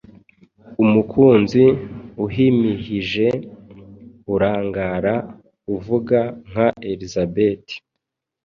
umukunzi uhimihije, urangara uvuga nka Elizabeth